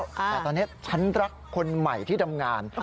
แต่ตอนนี้ฉันรักคนใหม่ที่ทำงาน